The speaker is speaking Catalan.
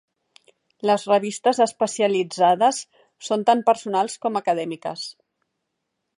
Les revistes especialitzades són tan personals com acadèmiques.